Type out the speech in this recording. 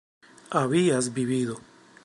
habías vivido